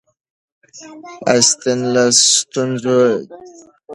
اسټن له ستونزو تېرېده.